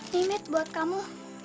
nimet buat kamu